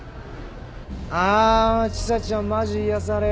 あぁチサちゃんマジ癒やされる！